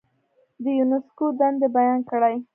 د یونسکو دندې بیان کړئ.